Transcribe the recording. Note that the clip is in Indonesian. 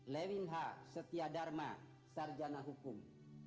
lewinha setia dharma sarjana hukum